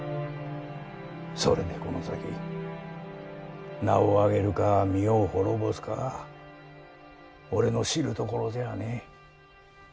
それでこの先、名をあげるか身を亡ぼすか俺の知るところじゃねぇ。